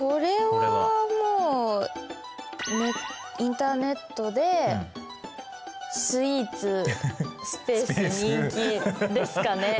これはもうインターネットで「スイーツ」スペース「人気」ですかね。